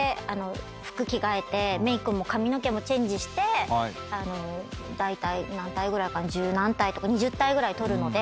服着替えてメークも髪の毛もチェンジしてだいたい十何体とか２０体ぐらい撮るので。